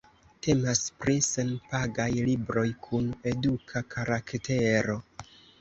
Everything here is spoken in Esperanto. Temas pri senpagaj libroj kun eduka karaktero.